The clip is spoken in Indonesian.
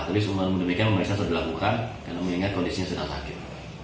tapi semuanya mereka memperiksa sedelah lakukan karena mengingat kondisinya sedang sakit